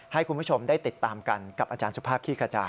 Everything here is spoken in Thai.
ให้คุณผู้ชมได้ติดตามกันกับอาจารย์สุภาพขี้กระจาย